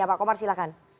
pak komar silahkan